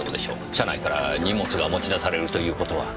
車内から荷物が持ち出されるという事は？